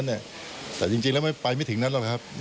ธนตรวจนั้นจริงแล้วไปไม่ถึงนั้นหรอกครับ